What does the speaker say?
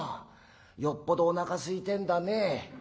よっぽどおなかすいてんだね。